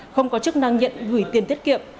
không có chức năng nhận gửi tiền tiết kiệm